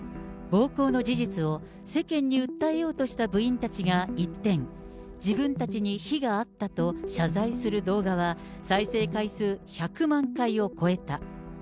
暴行の事実を世間に訴えようとした部員たちが一転、自分たちに非があったと、謝罪する動画は再生回数１００万回を超えた。